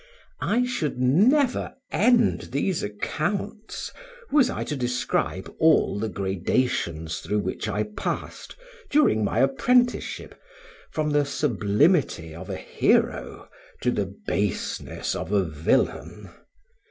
I should never end these accounts, was I to describe all the gradations through which I passed, during my apprenticeship, from the sublimity of a hero to the baseness of a villain.